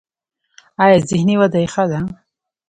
ایا ذهني وده یې ښه ده؟